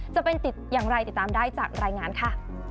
จะเป็นติดอย่างไรติดตามได้จากรายงานค่ะ